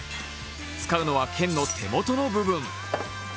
使うのは剣の手元の部分。